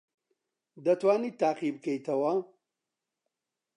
دەتوانیت تاقی بکەیتەوە؟